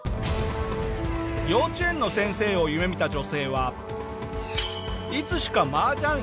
幼稚園の先生を夢見た女性は。